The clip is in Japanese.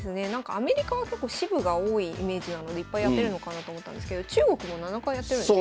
アメリカは結構支部が多いイメージなのでいっぱいやってるのかなと思ったんですけど中国も７回やってるんですね。